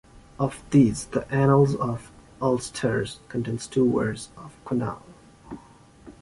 Of these, the "Annals of Ulster" contain two reports of Conall.